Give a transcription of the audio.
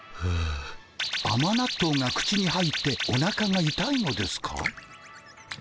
あま納豆が口に入っておなかがいたいのですか？